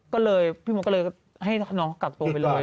ก็เลยพี่มดก็เลยให้น้องกักตัวไปเลย